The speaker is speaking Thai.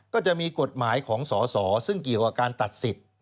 ก็จะมีกฎหมายของสอสอซึ่งเกี่ยวกับการตัดสิทธิ์